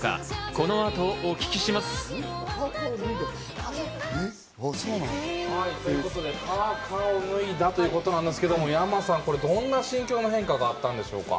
この後、お聞きします。ということで、パーカーを脱いだということなんですがｙａｍａさん、どんな心境の変化があったんでしょうか？